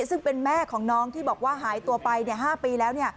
ซึ่งเป็นแม่ของน้องที่บอกว่าหายตัวไป๕ปีแล้ว